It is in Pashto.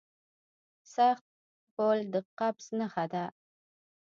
سخت غول د قبض نښه ده.